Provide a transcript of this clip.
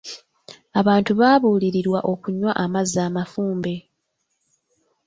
Abantu baabuulirirwa okunywa amazzi amafumbe.